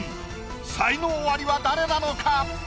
才能アリは誰なのか？